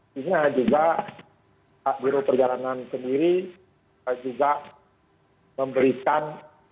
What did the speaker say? sehingga juga biro perjalanan sendiri juga memberikan